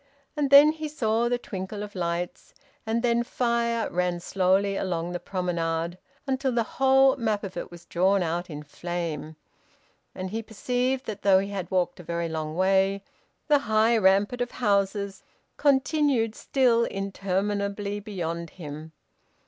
And then he saw the twinkle of lights, and then fire ran slowly along the promenade: until the whole map of it was drawn out in flame; and he perceived that though he had walked a very long way, the high rampart of houses continued still interminably beyond him.